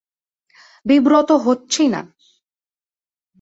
বিব্রত হচ্ছি না।